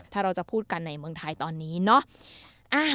ถ้าเราจะพูดกันในเมืองไทยตอนนี้เนาะ